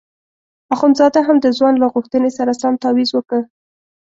اخندزاده هم د ځوان له غوښتنې سره سم تاویز وکیښ.